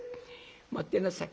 待ってなさい。